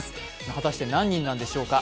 果たして何人なんでしょうか。